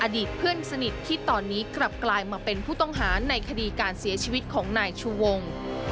อดีตเพื่อนสนิทที่ตอนนี้กลับกลายมาเป็นผู้ต้องหาในคดีการเสียชีวิตของนายชูวง